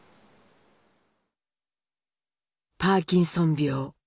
パーキンソン病。